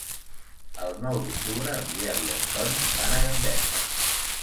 El nou d'octubre en Biel i en Ton van a Gandesa.